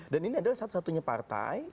dan ini adalah satu satunya partai